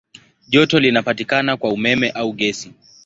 Joto linapatikana kwa umeme au gesi.